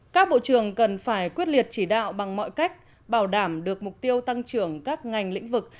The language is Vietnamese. các bộ trưởng cần phải quyết liệt chỉ đạo bằng mọi cách bảo đảm được mục tiêu tăng trưởng các ngành lĩnh vực